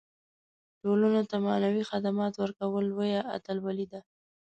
ټولنو ته معنوي خدمات ورکول لویه اتلولي ده.